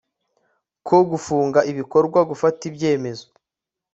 ko gucunga ibikorwa gufata ibyemezo